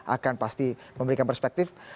akan pasti memberikan perspektif